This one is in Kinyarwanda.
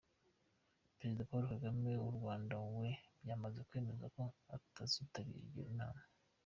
Perezida Paul Kagame w’u Rwanda, we byamaze kwemezwa ko atazitabira iyo nama.